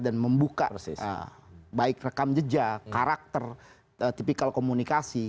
dan membuka baik rekam jejak karakter tipikal komunikasi